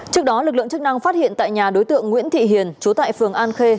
trước đó lực lượng chức năng phát hiện tại nhà đối tượng nguyễn thị hiền chú tại phường an khê